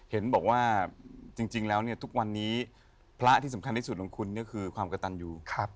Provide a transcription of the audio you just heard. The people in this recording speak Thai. เห็นบอกว่าจริงแล้วเนี่ยทุกวันนี้พระที่สำคัญที่สุดของคุณก็คือความกระตันอยู่